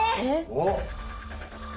おっ！